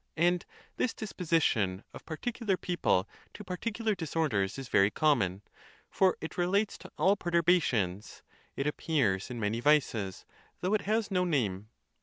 And this disposition of particular people to particular disorders is very common: for it re lates to all perturbations; it appears in many vices, though it has no name.